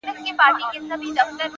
ستا د تورو سترگو اوښکي به پر پاسم ـ